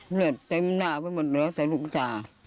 เลือดเต็มหน้าไปหมดเหลือแต่ลูกตา